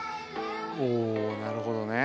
おおなるほどね。